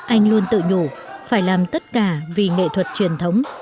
anh luôn tự nhủ phải làm tất cả vì nghệ thuật truyền thống